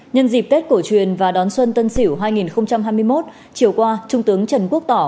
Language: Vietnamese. nhân dịp tết cổ truyền và đón xuân tân sỉu hai nghìn hai mươi một chiều qua trung tướng trần quốc tỏ